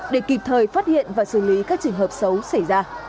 để kịp thời phát hiện và xử lý các trường hợp xấu xảy ra